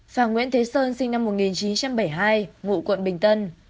và nguyễn thế sơn sinh năm một nghìn chín trăm bảy mươi hai ngụ quận bình tân